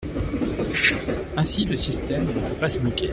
Ainsi, le système ne peut pas se bloquer.